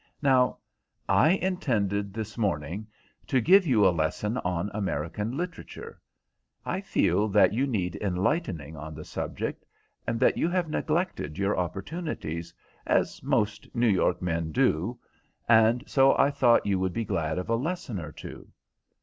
Now, I intended this morning to give you a lesson on American literature. I feel that you need enlightening on the subject, and that you have neglected your opportunities, as most New York men do, and so I thought you would be glad of a lesson or two."